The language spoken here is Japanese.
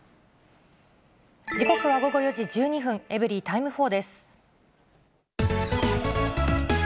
時刻は午後４時１２分、エブリィタイム４です。